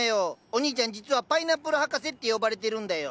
おにいちゃん実はパイナップル博士って呼ばれてるんだよ。